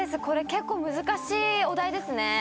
これ結構難しいお題ですね。